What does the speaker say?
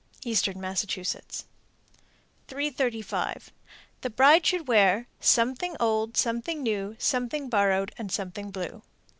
Eastern Massachusetts. 335. The bride should wear Something old, Something new, Something borrowed, And something blue.